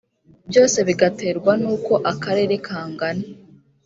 byose bigaterwa n’uko akarere kangana